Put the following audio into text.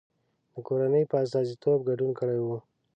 د کورنۍ په استازیتوب ګډون کړی و.